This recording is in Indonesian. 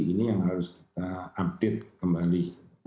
ini yang harus kita update kembali